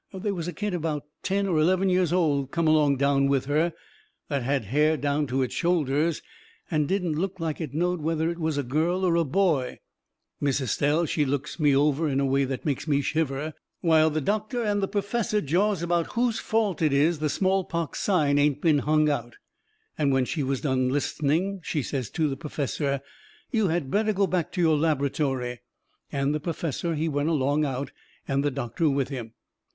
They was a kid about ten or eleven years old come along down with her, that had hair down to its shoulders and didn't look like it knowed whether it was a girl or a boy. Miss Estelle, she looks me over in a way that makes me shiver, while the doctor and the perfessor jaws about whose fault it is the smallpox sign ain't been hung out. And when she was done listening she says to the perfessor: "You had better go back to your laboratory." And the perfessor he went along out, and the doctor with him.